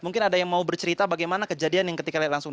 mungkin ada yang mau bercerita bagaimana kejadian yang ketika lihat langsung